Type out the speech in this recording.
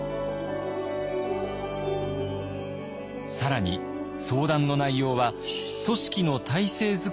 更に相談の内容は組織の体制づくりにも至っていたと